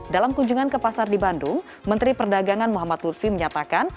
dalam kunjungan ke pasar di bandung menteri perdagangan muhammad lutfi menyatakan